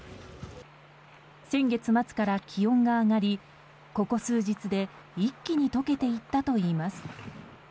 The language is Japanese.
先月末から気温が上がりここ数日で一気に解けていったといいます。